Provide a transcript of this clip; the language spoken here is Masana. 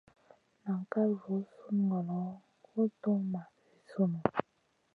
Nan kal voo sùn ŋolo guʼ tuwmaʼ Zi sunu.